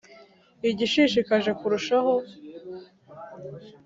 igishishikaje kurushaho